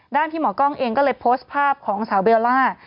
พี่หมอกล้องเองก็เลยโพสต์ภาพของสาวเบลล่า